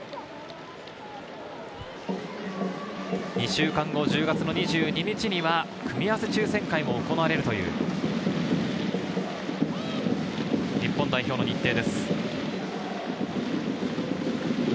２週間後、１０月２２日には組み合わせ抽せん会が行われるという日程。